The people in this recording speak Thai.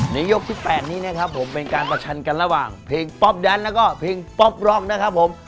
ยกที่๘นี้นะครับผมเป็นการประชันกันระหว่างเพลงป๊อปแดนแล้วก็เพลงป๊อปร็อกนะครับผม